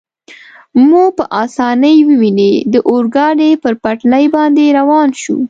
مو په اسانۍ وویني، د اورګاډي پر پټلۍ باندې روان شو.